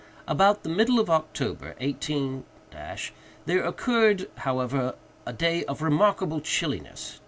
About the middle of October, 18—, there occurred, however, a day of remarkable chilliness.